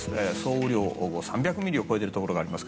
総雨量３００ミリを超えているところもあります。